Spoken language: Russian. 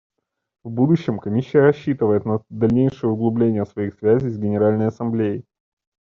В будущем Комиссия рассчитывает на дальнейшее углубление своих связей с Генеральной Ассамблеей.